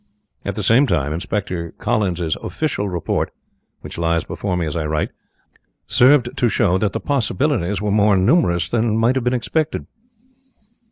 At the same time, Inspector Collins's official report (which lies before me as I write) served to show that the possibilities were more numerous than might have been expected.